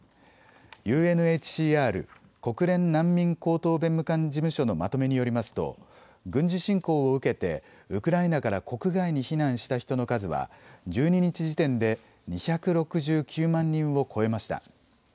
ＵＮＨＣＲ・国連難民高等弁務官事務所のまとめによりますと軍事侵攻を受けてウクライナから国外に避難した人の数は１２日時点で２６９万人を超えました。